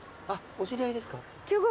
お知り合いですか？